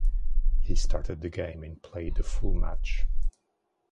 He started the game and played the full match.